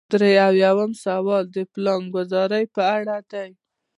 درې اویایم سوال د پلانګذارۍ په اړه دی.